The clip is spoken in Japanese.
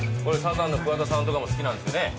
これサザンの桑田さんとかも好きなんですよね？